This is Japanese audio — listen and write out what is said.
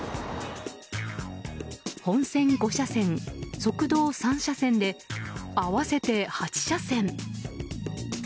本線５車線、側道３車線で合わせて８車線。